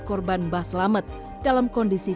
korban bah selamet dalam kondisi